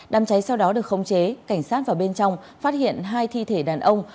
đám cháy sau đó được khống chế cảnh sát vào bên trong phát hiện hai thi thể đàn ông